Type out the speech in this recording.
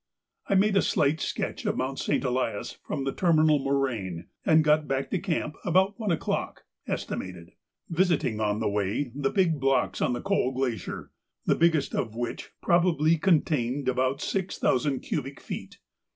I made a slight sketch of Mount St. Elias from the terminal moraine, and got back to camp about one o'clock (estimated), visiting on the way the big blocks on the Coal Glacier, the biggest of which probably contained about six thousand cubic feet.